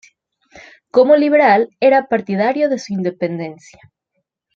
Como liberal, era partidario de su independencia.